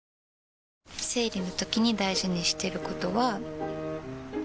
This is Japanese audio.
生理のときに大事にしてることは。